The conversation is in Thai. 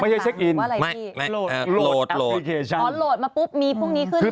ไม่ใช่เช็คอินโลดแอปพลิเคชัน